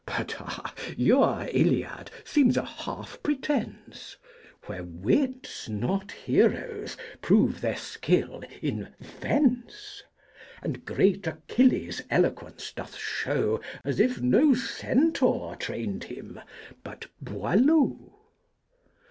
But, ah, your Iliad seems a half pretence, Where Wits, not Heroes, prove their Skill in Fence, And great Achilles' Eloquence doth show As if no Centaur trained him, but Boileau!